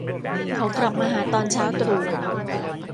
เขากลับมาหาตอนเช้าตรู่